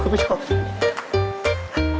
พี่มิตร